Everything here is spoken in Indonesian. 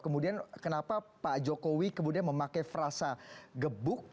kemudian kenapa pak jokowi kemudian memakai frasa gebuk